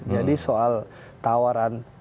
jadi soal tawaran